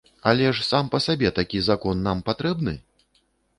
Але ж сам па сабе такі закон нам патрэбны?